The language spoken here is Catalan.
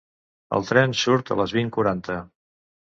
El tren surt a les vint quaranta.